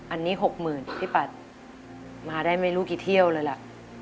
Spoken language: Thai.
อันนี้๖๐๐๐พี่ปัดมาได้ไม่รู้กี่เที่ยวเลยล่ะ